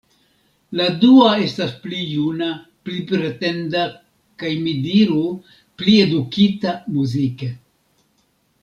La dua estas pli juna, pli pretenda kaj, mi diru, pli edukita muzike.